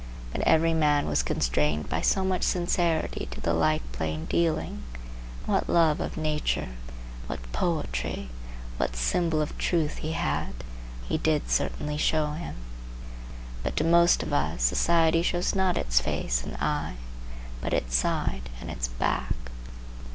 But every man was constrained by so much sincerity to the like plaindealing, and what love of nature, what poetry, what symbol of truth he had, he did certainly show him. But to most of us society shows not its face and eye, but its side and its back.